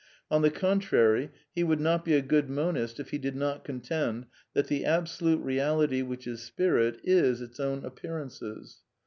On the contrary, he / would not be a good monist if he did not contend that the / absolute Eeality which is Spirit is its own appearances.